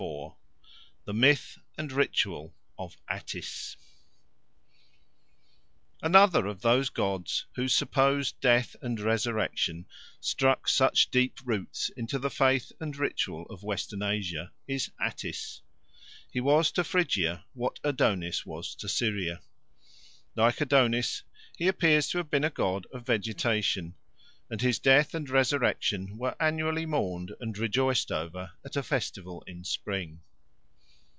XXXIV. The Myth and Ritual of Attis ANOTHER of those gods whose supposed death and resurrection struck such deep roots into the faith and ritual of Western Asia is Attis. He was to Phrygia what Adonis was to Syria. Like Adonis, he appears to have been a god of vegetation, and his death and resurrection were annually mourned and rejoiced over at a festival in spring.